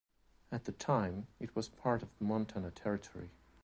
At the time it was part of the Montana Territory.